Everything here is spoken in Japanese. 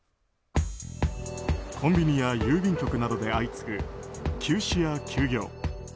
コンビニや郵便局などで相次ぐ休止や休業。